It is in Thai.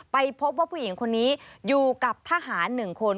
ไปพบว่าผู้หญิงคนนี้อยู่กับทหาร๑คน